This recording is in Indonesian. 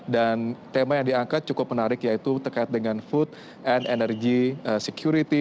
dan tema yang diangkat cukup menarik yaitu terkait dengan food and energy security